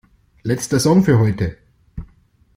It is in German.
Letzter Song für heute!